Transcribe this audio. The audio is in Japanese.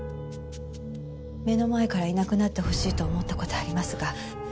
目の前からいなくなってほしいと思った事はありますが。